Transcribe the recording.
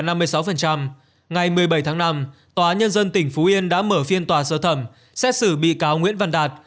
ngày một mươi bảy tháng năm tòa nhân dân tỉnh phú yên đã mở phiên tòa sơ thẩm xét xử bị cáo nguyễn văn đạt